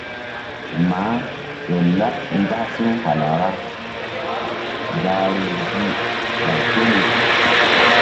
Maah ƴo laɓ nzak si̧w hala ra̧h gahruri gi ɓay ko ni.